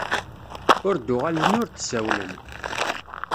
Ur d-uɣalen ur d-sawlen.